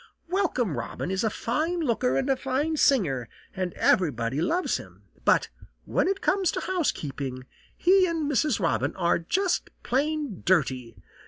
"Welcome Robin is a fine looker and a fine singer, and everybody loves him. But when it comes to housekeeping, he and Mrs. Robin are just plain dirty.